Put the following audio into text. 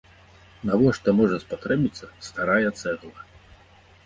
Навошта можа спатрэбіцца старая цэгла?